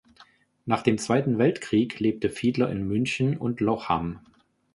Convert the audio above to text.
Nach dem Zweiten Weltkrieg lebte Fiedler in München und Lochham.